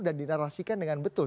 dan dinarasikan dengan betul